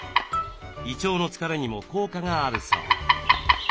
胃腸の疲れにも効果があるそう。